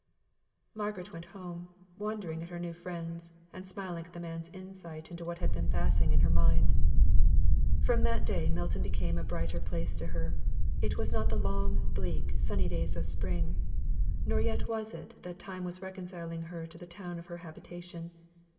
Margaret went home, wondering at her new friends, and smiling at the man's insight into what had been passing in her mind. From that day Milton became a brighter place to her. It was not the long, bleak sunny days of spring, nor yet was it that time was reconciling her to the town of her habitation.